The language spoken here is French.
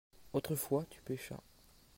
autrefois tu pêchas.